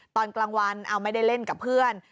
ตอนกลางวันเอาไม่ได้เล่นกับเพื่อน